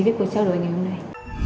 với cuộc trao đổi ngày hôm nay